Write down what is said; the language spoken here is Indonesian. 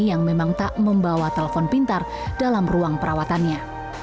yang memang tak membawa telepon pintar dalam ruang perawatannya